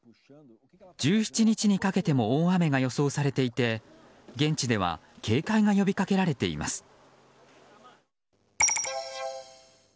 １７日にかけても大雨が予想されていて現地では警戒が呼びかけられています。